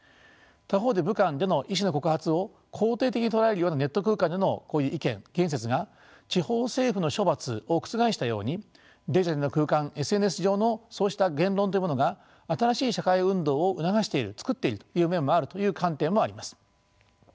他方で武漢での医師の告発を肯定的に捉えるようなネット空間でのこういう意見紀元節が地方政府の処罰を覆したようにデジタルな空間ＳＮＳ上のそうした言論というものが新しい社会運動を促している作っているという面もあるという観点もあります。